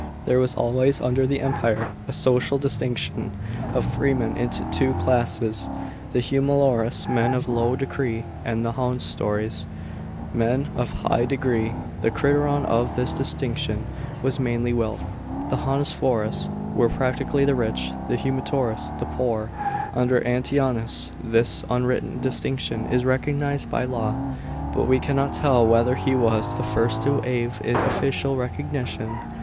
There was always, under the Empire, a social distinction of freemen into two classes : the humiliores, men of low decree, and the honestiores, men ot high degree. The cr.terion of this distinction was mainly wealth. The honesfiores were practically the rich, the humittores the poor. Under Antoninus, this unwritten distinction is recognised by law ; but we cannot tell whether he was the first to aive it official recognition.